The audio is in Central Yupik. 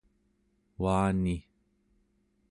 uani